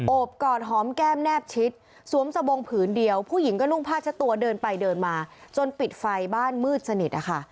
บกอดหอมแก้มแนบชิดสวมสบงผืนเดียวผู้หญิงก็นุ่งผ้าเช็ดตัวเดินไปเดินมาจนปิดไฟบ้านมืดสนิทนะคะ